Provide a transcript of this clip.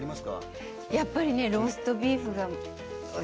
やっぱりローストビーフが。